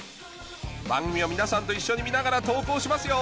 番組を皆さんと一緒に見ながら投稿しますよ